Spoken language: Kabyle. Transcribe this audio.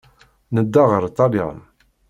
Nedda ɣer Ṭṭalyan.